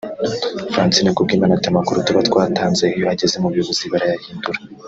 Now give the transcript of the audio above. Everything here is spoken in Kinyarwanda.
Francine Kubwimana ati “Amakuru tuba twatanze iyo ageze mu buyobozi barayahindura